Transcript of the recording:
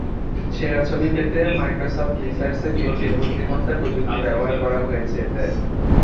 সেরা ছবি পেতে মাইক্রোসফট রিসার্চের কৃত্রিম বুদ্ধিমত্তা প্রযুক্তি ব্যবহার করা হয়েছে এতে।